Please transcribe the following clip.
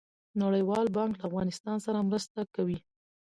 نړیوال بانک له افغانستان سره مرسته کوي